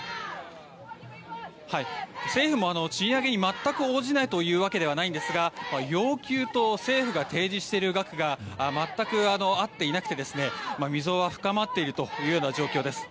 政府も、賃上げに全く応じないわけではないんですが要求と、政府が提示している額が全く合っていなくて溝は深まっているという状況です。